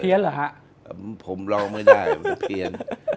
เพี้ยนหรือครับผมร้องไม่ได้เพี้ยน